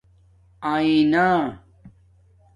آینہ